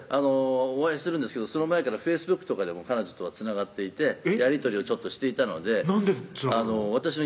お会いするんですけどその前からＦａｃｅｂｏｏｋとかでも彼女とはつながっていてやり取りをちょっとしていたのでなんでつながるの？